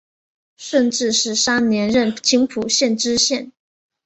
顺治十三年任青浦县知县。